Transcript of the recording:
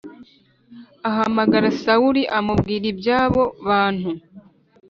ahamagara Sawuli amubwira ibyabo bantu